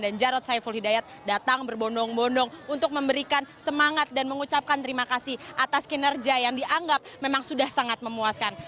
dan jarot saiful hidayat datang berbondong bondong untuk memberikan semangat dan mengucapkan terima kasih atas kinerja yang dianggap memang sudah sangat memuaskan